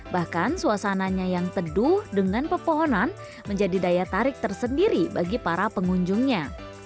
bahkan suasananya yang teduh dengan pepohonan menjadi daya tarik tersendiri bagi para pengunjungnya